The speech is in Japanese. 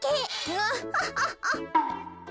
アハハハ！